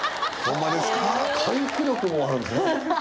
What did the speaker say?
回復力もあるんですね。